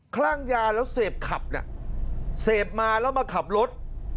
คลั่งยาแล้วเสพขับน่ะเสพมาแล้วมาขับรถ